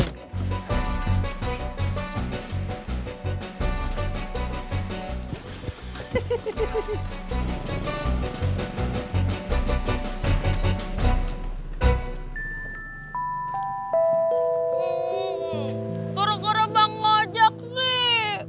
terkembang ngajak sih